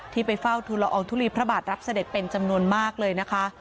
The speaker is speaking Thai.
ไปเฝ้าทุลอองทุลีพระบาทรับเสด็จเป็นจำนวนมากเลยนะคะ